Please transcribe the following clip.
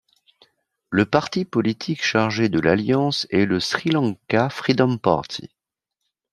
Le parti politique chargé de l'alliance est le Sri Lanka Freedom Party.